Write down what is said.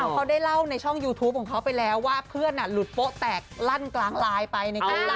เขาได้เล่าในช่องยูทูปของเขาไปแล้วว่าเพื่อนหลุดโป๊ะแตกลั่นกลางไลน์ไปในการลั